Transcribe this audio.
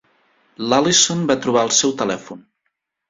L'Allison va trobar el seu telèfon.